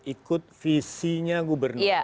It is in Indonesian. ikut visinya gubernur